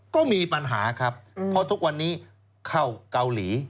ก็มีปัญหาครับเพราะทุกวันนี้เข้าเกาหลี